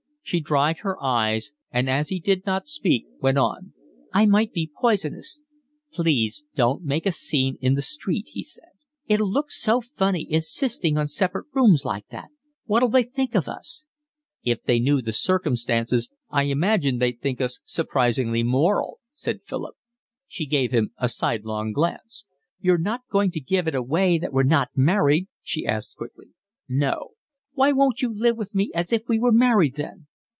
She dried her eyes, and as he did not speak, went on. "I might be poisonous." "Please don't make a scene in the street," he said. "It'll look so funny insisting on separate rooms like that. What'll they think of us?" "If they knew the circumstances I imagine they'd think us surprisingly moral," said Philip. She gave him a sidelong glance. "You're not going to give it away that we're not married?" she asked quickly. "No." "Why won't you live with me as if we were married then?"